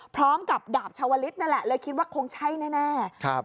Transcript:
พร้อมกับดาบชาวลิศนั่นแหละเลยคิดว่าคงใช่แน่ครับ